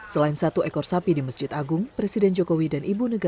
selain satu ekor sapi di masjid agung